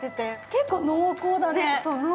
結構濃厚だね。